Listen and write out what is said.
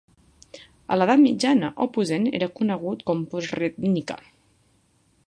A l'edat mitjana, Opuzen era conegut com Posrednica.